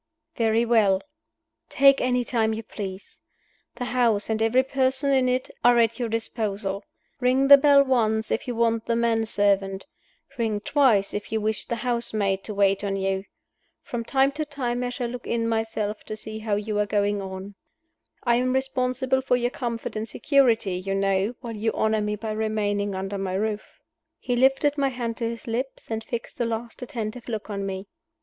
"Very well. Take any time you please. The house, and every person in it, are at your disposal. Ring the bell once if you want the man servant. Ring twice if you wish the housemaid to wait on you. From time to time I shall just look in myself to see how you are going on. I am responsible for your comfort and security, you know, while you honor me by remaining under my roof." He lifted my hand to his lips, and fixed a last attentive look on me.